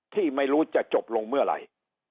ที่ไม่รู้จะจบลงเมื่อไหร่